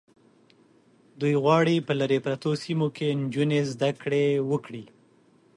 دوی غواړي په لرې پرتو سیمو کې نجونې زده کړې وکړي.